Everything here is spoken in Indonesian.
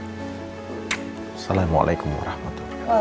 assalamualaikum warahmatullahi wabarakatuh